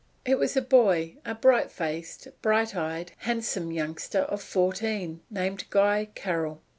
It was a boy a bright faced, bright eyed, handsome youngster of fourteen, named Guy Carrol.